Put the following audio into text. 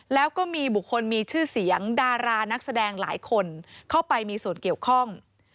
แล้วก็มีบุคคลมีชื่อเสียงดารานักแสดงหลายคน